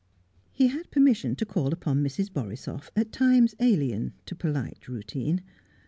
He had permission to call upon Mrs. Borisoff at times alien to polite routine.